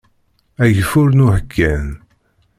Ageffur n uḥeggan.